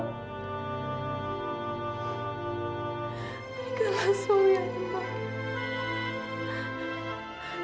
berikanlah suami ya allah